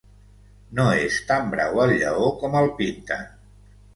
No és tan brau el lleó com el pinten.